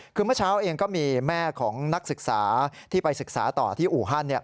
คือเมื่อเช้าเองก็มีแม่ของนักศึกษาที่ไปศึกษาต่อที่อู่ฮั่น